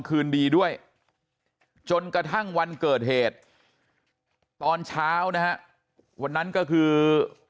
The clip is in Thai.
คืนดีด้วยจนกระทั่งวันเกิดเหตุตอนเช้านะฮะวันนั้นก็คือ